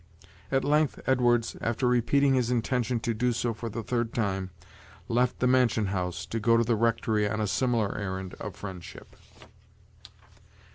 At length, Edwards, after repeating his intention to do so for the third time, left the mansion house to go to the rectory on a similar errand of friendship.